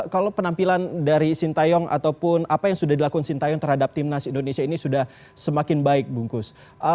kalau penampilan dari sintayong ataupun apa yang sudah dilakukan sintayong terhadap timnas indonesia ini sudah semakin baik bungkus